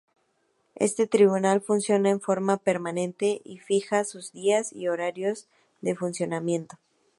Este tribunal funciona en forma permanente y fija sus días y horarios de funcionamiento.